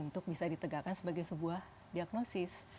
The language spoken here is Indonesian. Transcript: untuk bisa ditegakkan sebagai sebuah diagnosis